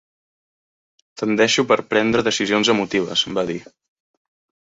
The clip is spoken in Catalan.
"Tendeixo per prendre decisions emotives", va dir.